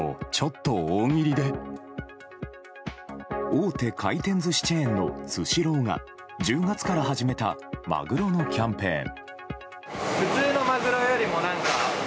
大手回転寿司チェーンのスシローが１０月から始めたまぐろのキャンペーン。